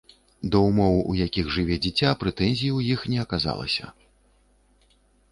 Да ўмоў, у якіх жыве дзіця, прэтэнзій у іх не аказалася.